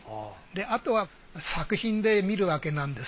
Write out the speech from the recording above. あとは作品で見るわけなんです。